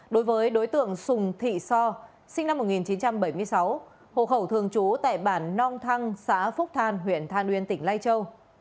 đối với đối tượng sùng thị so sinh năm một nghìn chín trăm bảy mươi sáu hộ khẩu thường trú tại bản nong thăng xã phúc than huyện than uyên tỉnh lai châu